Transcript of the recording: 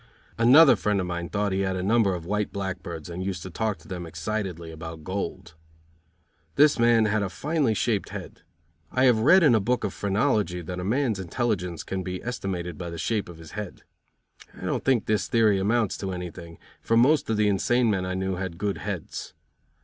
Another friend of mine thought he had a number of white blackbirds and used to talk to them excitedly about gold. This man had a finely shaped head. I have read in a book of phrenology that a man's intelligence can be estimated by the shape of his head. I don't think this theory amounts to anything, for most of the insane men I knew had good heads.